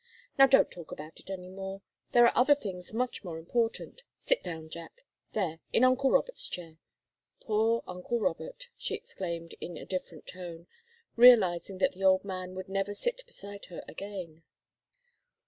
Now don't talk about it any more there are other things much more important. Sit down, Jack there, in uncle Robert's chair. Poor uncle Robert!" she exclaimed, in a different tone, realizing that the old man would never sit beside her again.